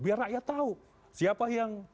biar rakyat tahu siapa yang